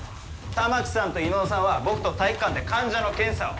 たまきさんと威能さんは僕と体育館で患者の検査を。